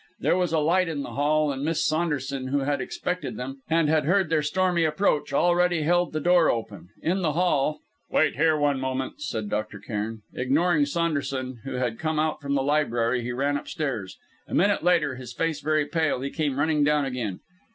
There was a light in the hall and Miss Saunderson who had expected them, and had heard their stormy approach, already held the door open. In the hall "Wait here one moment," said Dr. Cairn. Ignoring Saunderson, who had come out from the library, he ran upstairs. A minute later, his face very pale, he came running down again.